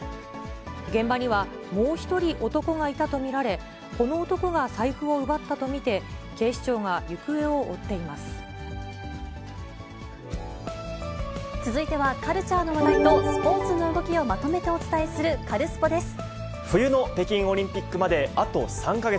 現場には、もう１人男がいたと見られ、この男が財布を奪ったと見続いては、カルチャーの話題とスポーツの動きをまとめてお伝えするカルスポ冬の北京オリンピックまで、あと３か月。